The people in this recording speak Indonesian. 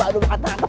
aduh mata aku